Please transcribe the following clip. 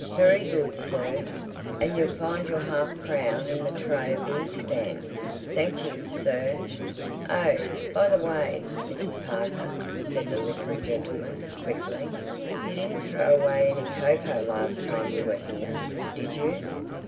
"Very good, sir." "And you'll find your half crown in the tray of the inkstand." "Thank you, sir." "Oh, by the way, Mrs. Parker," said the literary gentleman quickly, "you didn't throw away any cocoa last time you were here—did you?"